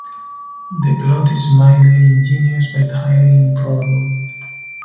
The plot is mildly ingenious but highly improbable.